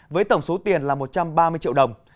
với tổng số tiền là một trăm ba mươi triệu đồng